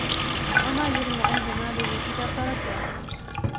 وما يغني عنه ماله إذا تردى